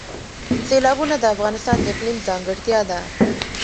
سیلابونه د افغانستان د اقلیم ځانګړتیا ده.